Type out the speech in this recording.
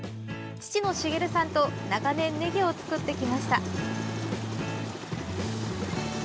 父の茂さんと長年、ねぎを作ってきました。